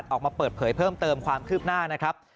ออกมาเปิดเผยเพิ่มเติมความคืบหน้านะครับ